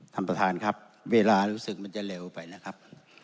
ท่านประธานครับเวลารู้สึกมันจะเร็วไปนะครับ